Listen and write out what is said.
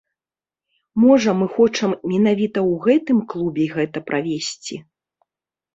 Можа мы хочам менавіта ў гэтым клубе гэта правесці!?